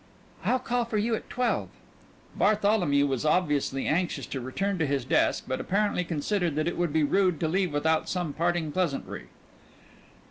"I'll call for you at twelve." Bartholomew was obviously anxious to return to his desk, but apparently considered that it would be rude to leave without some parting pleasantry.